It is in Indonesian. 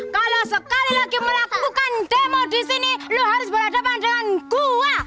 kalau sekali lagi melakukan demo di sini lo harus berhadapan dengan gua